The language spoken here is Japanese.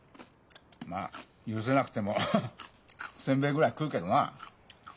まあ許せなくても煎餅ぐらい食うけどな。